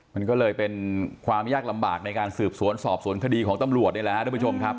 มันก็เลยเป็นความยากลำบากในการสืบสวนสอบสวนคดีของตำรวจนี่แหละครับทุกผู้ชมครับ